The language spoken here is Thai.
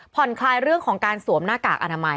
ผ่อนคลายเรื่องของการสวมหน้ากากอนามัย